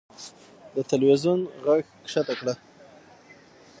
د تلوېزون ږغ کښته کړه .